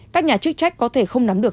các nhà chức trách có thể không nắm được